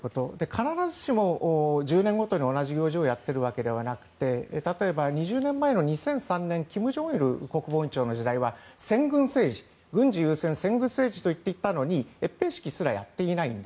必ずしも１０年ごとに同じ行事をやっているわけではなくて例えば、２０年前の２００３年金正日国防委員長の時は軍事優先先軍政治と言っていたのに閲兵式すらやっていない。